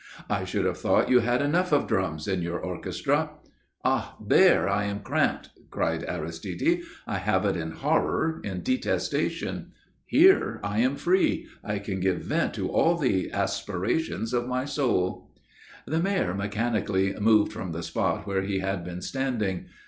"I should have thought you had enough of drums in your orchestra." "Ah! there I am cramped!" cried Aristide. "I have it in horror, in detestation. Here I am free. I can give vent to all the aspirations of my soul!" The Mayor mechanically moved from the spot where they had been standing.